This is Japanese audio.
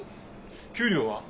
給料は？